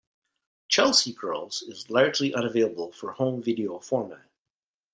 "Chelsea Girls" is largely unavailable for home video format.